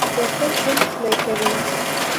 • بښل ژوند ښکلی کوي.